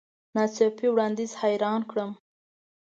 نا څاپي وړاندیز حیران کړم .